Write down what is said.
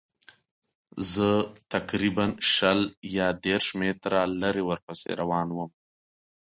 زه تقریباً شل یا دېرش متره لرې ورپسې روان وم.